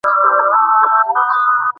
কেনো, ফনা।